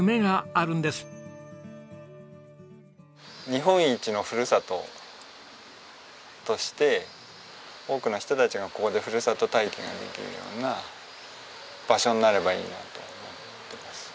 日本一のふるさととして多くの人たちがここでふるさと体験ができるような場所になればいいなと思ってます。